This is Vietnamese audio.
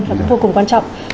vô cùng quan trọng